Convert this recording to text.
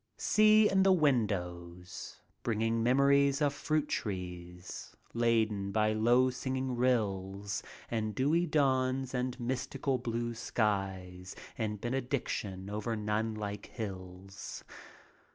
See in the windows, bringing memories Of fruit trees, laden by low singing rills, And dewy dawns and mystical blue skies In benediction over nimlike hills.